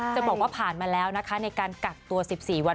จะบอกว่าผ่านมาแล้วนะคะในการกักตัว๑๔วัน